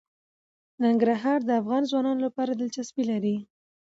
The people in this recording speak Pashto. ننګرهار د افغان ځوانانو لپاره دلچسپي لري.